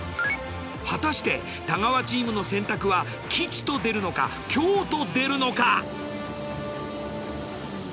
果たして太川チームの選択は吉と出るのか凶と出るのか。